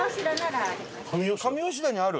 上吉田にある？